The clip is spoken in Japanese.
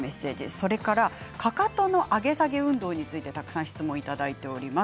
それからかかとの上げ下げ運動についてたくさん質問をいただいております。